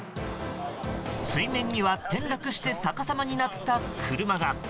水面には転落して逆さまになった車が。